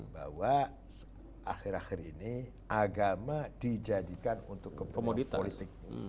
bahwa akhir akhir ini agama dijadikan untuk politik